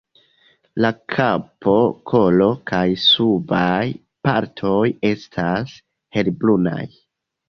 La kapo, kolo kaj subaj partoj estas helbrunaj.